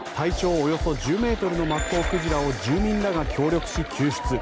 およそ１０ｍのマッコウクジラを住民らが協力し、救出。